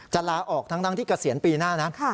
ลาออกทั้งที่เกษียณปีหน้านะ